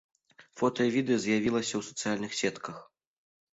Фота і відэа з'явілася ў сацыяльных сетках.